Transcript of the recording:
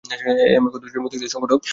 M A Kuddus মুক্তিযুদ্ধের সংগঠক ছিলেন।